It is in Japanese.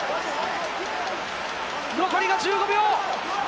残りが１５秒！